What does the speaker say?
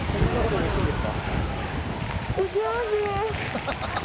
ハハハ。